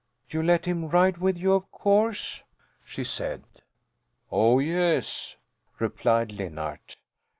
"You let him ride with you, of course?" she said. "Oh, yes," replied Linn art.